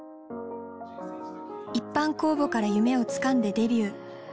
一般公募から夢をつかんでデビュー。